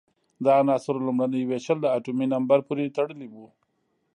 د عناصرو لومړنۍ وېشل د اتومي نمبر پورې تړلی وو.